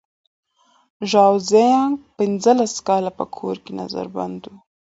ژاو زیانګ پنځلس کاله په کور کې نظر بند و.